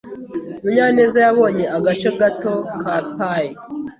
Munyaneza yabonye agace gato ka pie.